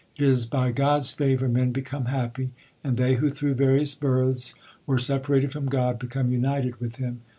It is by God s favour men become happy, And they who through various births were separated from God become united with Him.